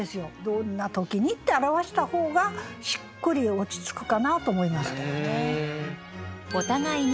どんな時にって表した方がしっくり落ち着くかなと思いました。